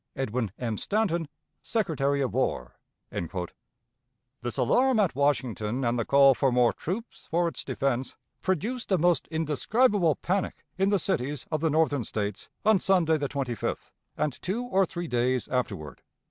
"EDWIN M. STANTON, Secretary of War." This alarm at Washington, and the call for more troops for its defense, produced a most indescribable panic in the cities of the Northern States on Sunday the 25th, and two or three days afterward.